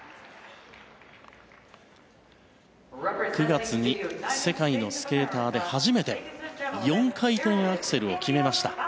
９月に世界のスケーターで初めて４回転アクセルを決めました。